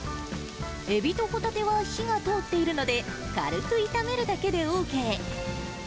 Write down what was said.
エビとホタテは火が通っているので、軽く炒めるだけでＯＫ。